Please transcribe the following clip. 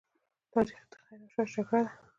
تاریخ د خیر او شر جګړه ده.